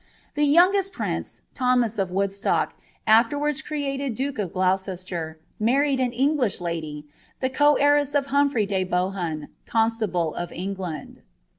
The roungett praM Thomas iif Wnodslock, afterwards created duke of Gloucesivr, narried an English lady, the eo heiresa of Humphry de Bohun, cooelaMe of England.